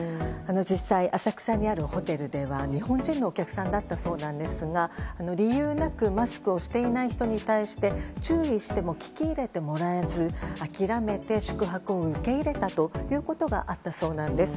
実際、浅草にあるホテルでは日本人のお客さんだったそうなんですが理由なくマスクをしていない人に対して注意しても聞き入れてもらえず諦めて宿泊を受け入れたということがあったそうなんです。